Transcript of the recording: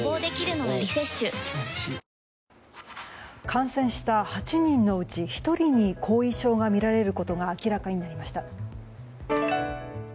感染した８人のうち１人に後遺症がみられることが明らかになりました。